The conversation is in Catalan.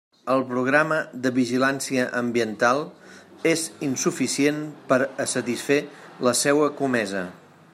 El programa de vigilància ambiental és insuficient per a satisfer la seua comesa.